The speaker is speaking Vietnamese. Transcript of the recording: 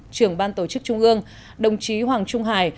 trưởng ban tổ chức trung ương đồng chí hoàng trung hải